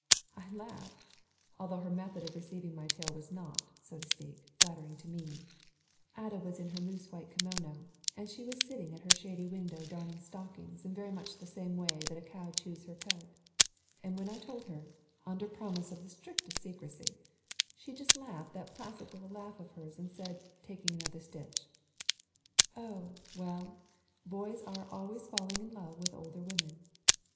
I laugh, although her method of receiving my tale was not, so to speak, flattering to me. Ada was in her loose white kimono, and she was sitting at her shady window darning stockings in very much the same way that a cow chews her cud; and when I told her, under promise of the strictest secrecy, she just laughed that placid little laugh of hers and said, taking another stitch, "Oh, well, boys are always falling in love with older women."